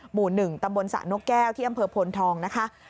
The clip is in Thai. หมู่๑ตำบลสระนกแก้วที่อำเภอโพนทองนะคะ